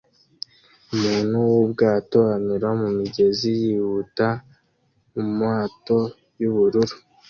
Umuntu wubwato anyura mumigezi yihuta mumato yubururu